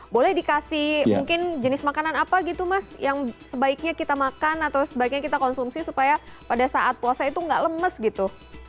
boleh dikasih mungkin jenis makanan apa gitu mas yang sebaiknya kita makan atau sebaiknya kita konsumsi supaya pada saat puasa itu nggak lemes gitu